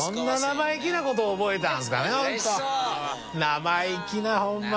生意気なホンマ。